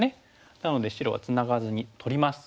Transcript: なので白はツナがずに取ります。